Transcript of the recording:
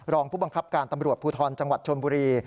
รองผู้บังคับการตำรวจภูทรจังหวัดชนบุรี